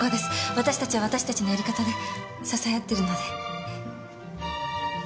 私たちは私たちのやり方で支え合ってるので。